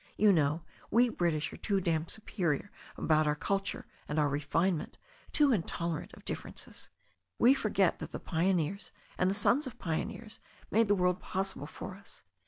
You know, we British are too damned su perior about our culture and our refinement, too intolerant of differences. We forget that the pioneers and the sons of pioneers made the world possible for us.